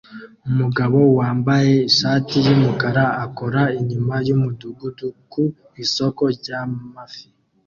Umugabo wambaye ishati yumukara akora inyuma yumudugudu ku isoko ryamafi